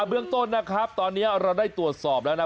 เบื้องต้นนะครับตอนนี้เราได้ตรวจสอบแล้วนะ